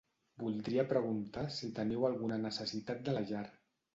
Voldria preguntar si teniu alguna necessitat de la llar.